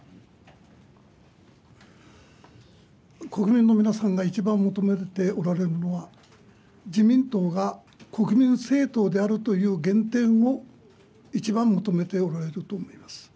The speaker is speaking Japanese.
国民の皆さんが一番求めておられるのは、自民党が国民政党であるという原点を一番求めておられると思います。